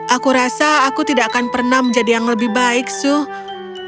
aku rasa aku tidak akan pernah menjadi yang lebih baik sih